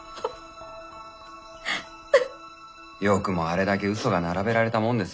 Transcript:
よくもあれだけ嘘が並べられたもんです。